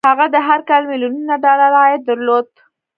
هغه هر کال ميليونونه ډالر عايد درلود.